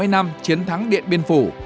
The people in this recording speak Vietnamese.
bảy mươi năm chiến thắng điện biên phủ